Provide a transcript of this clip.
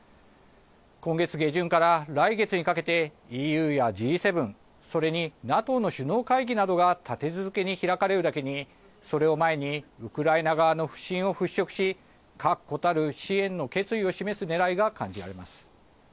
今月下旬から来月にかけてＥＵやＧ７、それにＮＡＴＯの首脳会議などが立て続けに開かれるだけにそれを前にウクライナ側の不信を払拭し確固たる支援の決意を示すねらいが感じられます。